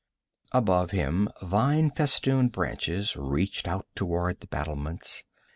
Above him vine festooned branches reached out toward the battlements.